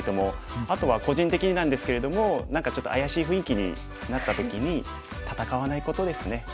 あとは個人的になんですけれども何かちょっと怪しい雰囲気になった時に戦わないことですね。